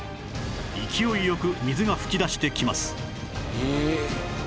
勢いよく水が噴き出してきます